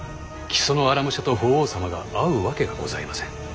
木曽の荒武者と法皇様が合うわけがございません。